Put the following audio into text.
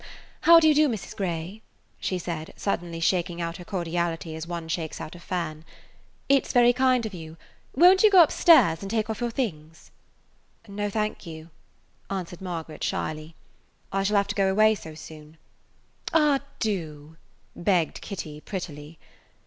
"How do you do, Mrs. Grey?" she said, suddenly shaking out her cordiality as one shakes out a fan. "It 's very kind of you. Won't you go up stairs and take off your things?" "No, thank you," answered Margaret, shyly, "I shall have to go away so soon." "Ah, do!" begged Kitty, prettily.